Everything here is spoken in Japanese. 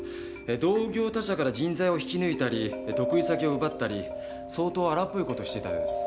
同業他社から人材を引き抜いたり得意先を奪ったり相当荒っぽい事をしていたようです。